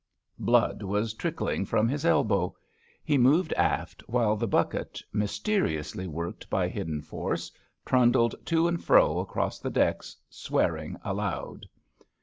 '^ Blood was trickling from his elbow. He moved aft, while the bucket, mysteriously worked by hid den force, trundled to and fro across the decks, swearing aloud.